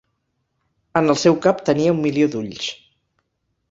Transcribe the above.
En el seu cap tenia un milió d'ulls.